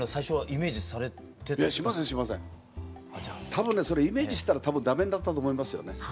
多分ねそれイメージしてたら多分ダメになったと思いますよね。